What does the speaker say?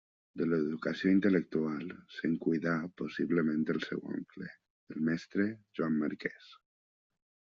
De l’educació intel·lectual, se’n cuidà possiblement el seu oncle, el mestre Joan Marquès.